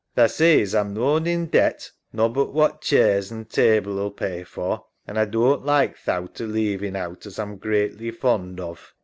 Tha sees A'm noan in debt, nobbut what chairs an table 'uU pay for, and A doan't like thowt o' leaving owt as A'm greatly fond of.